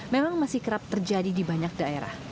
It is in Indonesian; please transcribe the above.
memang masih kerap terjadi di banyak daerah